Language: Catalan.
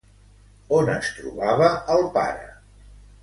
On es trobava el pare?